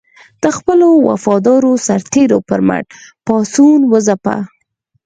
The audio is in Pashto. د خپلو وفادارو سرتېرو پر مټ پاڅون وځپه.